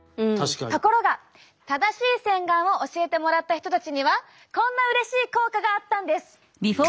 ところが正しい洗顔を教えてもらった人たちにはこんなうれしい効果があったんです。